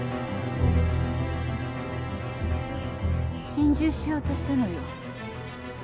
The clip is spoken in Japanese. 心中しようとしたのよ。